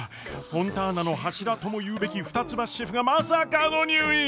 フォンターナの柱とも言うべき二ツ橋シェフがまさかの入院！？